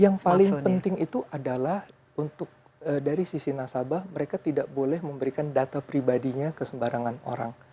yang paling penting itu adalah untuk dari sisi nasabah mereka tidak boleh memberikan data pribadinya ke sembarangan orang